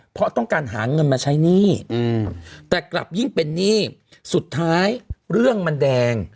เพราะต้องการหาเงินมาใช้หนี้แต่กลับยิ่งเป็นหนี้สุดท้ายเรื่องมันแดง